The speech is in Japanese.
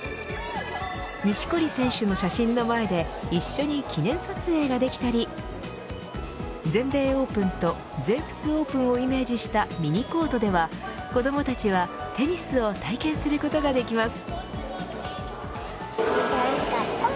錦織選手の写真の前で一緒に記念撮影ができたり全米オープンと全仏オープンをイメージしたミニコートでは、子どもたちはテニスを体験することができます。